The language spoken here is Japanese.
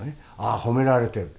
「ああ褒められてる」。